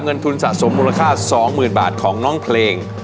เงินทุนสะสมมูลค่า๒๐๐๐บาทของน้องเพลง